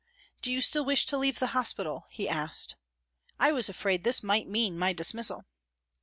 " Do you still wish to leave the hospital ?" he asked. I was afraid this might mean my dismissal.